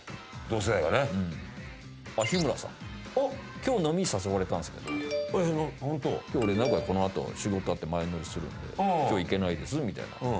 今日飲み誘われたんですけど今日俺名古屋この後仕事あって前乗りするんで「今日行けないです」みたいなやりとり。